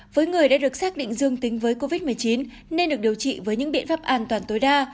với người đã được xác định dương tính với covid một mươi chín nên được điều trị với những biện pháp an toàn tối đa